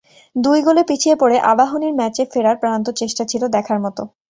দুই গোলে পিছিয়ে পড়ে আবাহনীর ম্যাচে ফেরার প্রাণান্ত চেষ্টা ছিল দেখার মতো।